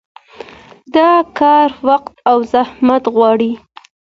دا کار وخت او زحمت غواړي.